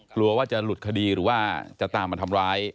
กลัวว่าจะหลุดคดีหรือว่าจะตามมาทำร้าย